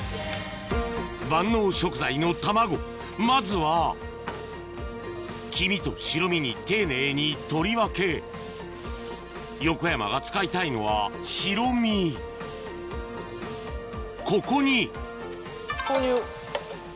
万能食材の卵まずは黄身と白身に丁寧に取り分け横山が使いたいのは白身ここに豆乳。